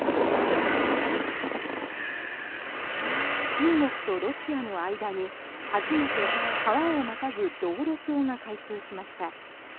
中国とロシアの間に初めて川をまたぐ道路橋が開通しました。